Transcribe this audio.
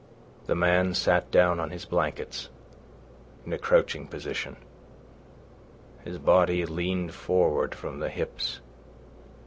The man sat down on his blankets in a crouching position. His body leaned forward from the hips.